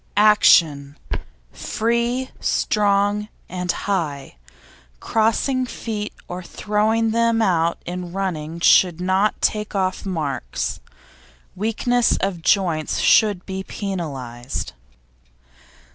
ACTION Free, strong and high; crossing feet or throwing them out in running should not take off marks; weakness of joints should be penalised.